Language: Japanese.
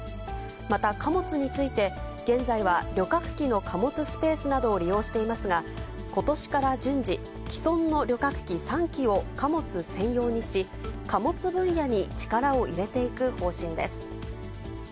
また、貨物について、現在は旅客機の貨物スペースなどを利用していますが、ことしから順次、既存の旅客機３機を貨物専用にし、貨物分野に力を入れていく方針です。